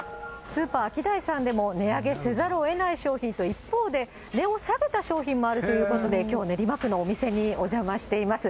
スーパーアキダイさんでも、値上げせざるをえない商品と、一方で、値を下げた商品もあるということで、きょう、練馬区のお店にお邪魔しています。